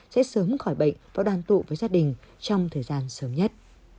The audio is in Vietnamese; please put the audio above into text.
sẽ sớm khỏi bệnh và đoàn tụ với gia đình trong thời gian sớm nhất